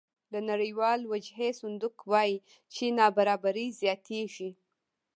د نړیوال وجهي صندوق وایي چې نابرابري زیاتېږي